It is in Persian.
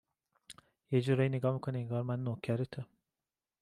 یه جوری نگاه می کنی انگار من نوکرتم